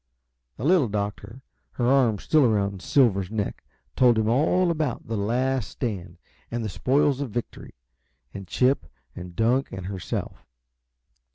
The Little Doctor, her arms still around Silver's neck, told him all about "The Last Stand," and "The Spoils of Victory," and Chip, and Dunk, and herself.